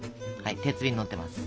鉄瓶のってます。